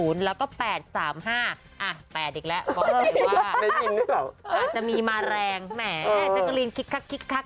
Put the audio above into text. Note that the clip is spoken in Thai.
อ่ะ๘อีกแล้วเพราะว่าอาจจะมีมาแรงแม่จังหลีนคิกคัก